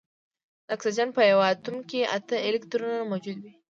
د اکسیجن په یوه اتوم کې اته الکترونونه موجود وي